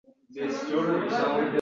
Odilbek to'g'ri gapirardi